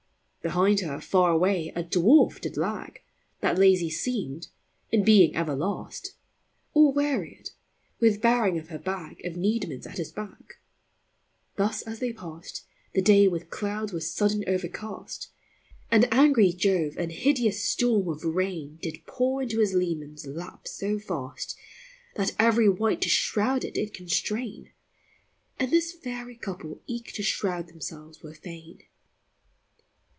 Behind her farre away a Dwarfe did lag, That lasie seemd, in being ever last, Or wearied with bearing of her bag Of needments at his backe. Thus as they past, The day with cloudes was suddeine overcast, And angry love an hideous storme of raine Did poure into his lemans lap so fast, That everie wight to shrowd it did constrain ; And this faire couple eke to shrowd themselves were fain.